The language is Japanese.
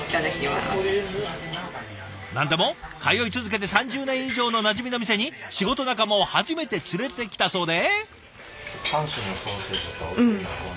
何でも通い続けて３０年以上のなじみの店に仕事仲間を初めて連れてきたそうで。